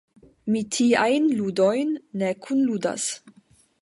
Mi tiajn ludojn ne kunludas.